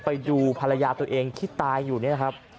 ไปดูภรรยาตัวเองที่ตายอยู่เนี่ยครับ